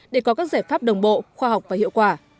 để có các giải pháp đồng bộ khoa học và hiệu quả